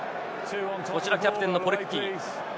キャプテンのポレクキ。